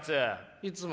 いつも。